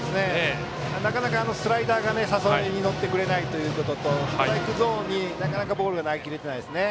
なかなか、スライダーでの誘いに乗ってくれないのとストライクゾーンになかなかボールが投げ切れていないですね。